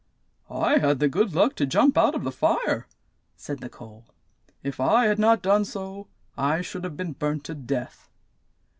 "I had the good luck to jump out of the fire," said the coal. "If I had not done so, I should have been burnt to death."